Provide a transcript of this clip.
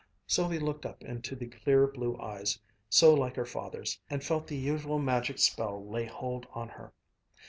Sylvia looked up into the clear, blue eyes, so like her father's, and felt the usual magic spell lay hold on her.